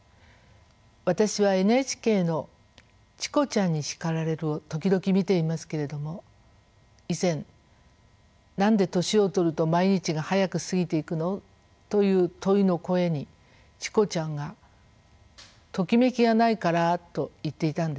私はＮＨＫの「チコちゃんに叱られる！」を時々見ていますけれども以前「何で年を取ると毎日が早く過ぎていくの？」という問いの声にチコちゃんが「ときめきがないから」と言っていたんですね。